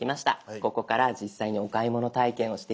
ここから実際にお買い物体験をしていきましょう。